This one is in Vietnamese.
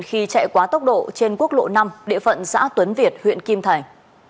khi chạy quá tốc độ trên quốc lộ năm địa phận xã tuấn việt huyện kim thành